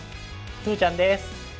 鶴ちゃんです！